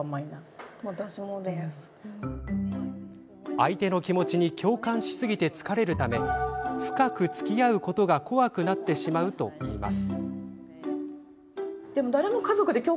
相手の気持ちに共感しすぎて疲れるため深くつきあうことが怖くなってしまうといいます。